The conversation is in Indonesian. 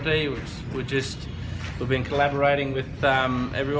kami hanya berkolaborasi dengan semua orang